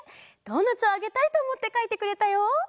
ドーナツをあげたいとおもってかいてくれたよ！